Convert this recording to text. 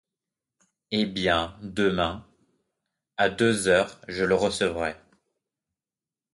Eh bien, demain, à deux heures, je le recevrai.